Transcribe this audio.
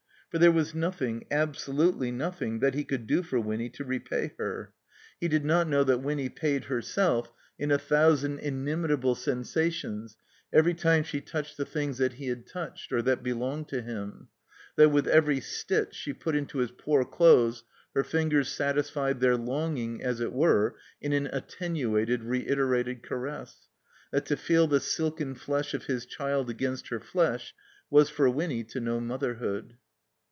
For there was nothing, absolutdy nothing, that be cx>uld do for Winny to teyay her. He did THE COMBINED MAZE not know that Winny paid herself in a thousand inimitable sensations every time she touched the things that he had touched, or that belonged to him; that with every stitch she put into his poor clothies her fingers satisfied their longing, as it were, in an attenuated, reiterated caress; that to fed the silken flesh of his child against her flesh was for Winny to know motherhood.